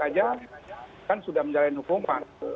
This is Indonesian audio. saja kan sudah menjalani hukuman